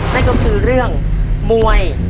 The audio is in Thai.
นั่นก็คือเรื่องมวย